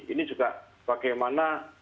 ini juga bagaimana